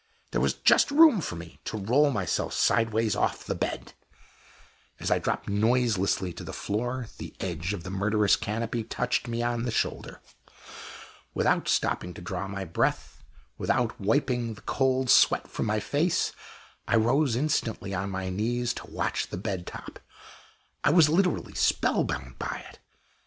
There was just room for me to roll myself sidewise off the bed. As I dropped noiselessly to the floor, the edge of the murderous canopy touched me on the shoulder. Without stopping to draw my breath, without wiping the cold sweat from my face, I rose instantly on my knees to watch the bed top. I was literally spellbound by it.